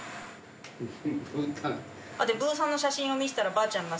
ブーさんの写真を見せたらばあちゃんがさ